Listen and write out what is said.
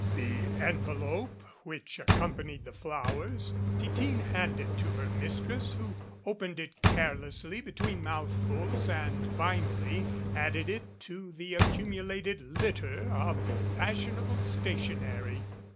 The envelope which accompanied the flowers Titine handed to her mistress, who opened it carelessly between mouthfuls and finally added it to the accumulated litter of fashionable stationery.